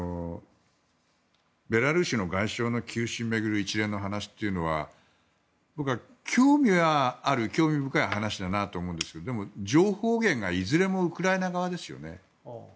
ベラルーシの外相の急死を巡る一連の話というのは僕は興味はある興味深い話だなとは思うんですがでも、情報源がいずれもウクライナ側ですよね。